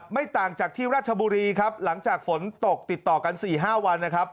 ไม่ต่างจากที่ราชบุรีครับหลังจากฝนตกติดต่อกัน๔๕วันนะครับ